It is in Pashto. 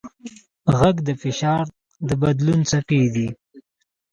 غږ د فشار د بدلون څپې دي.